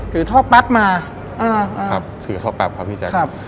ถือท่อแป๊บมาครับถือท่อแป๊บครับพี่แจ๊คครับ